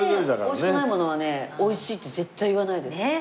美味しくないものはね美味しいって絶対言わないです。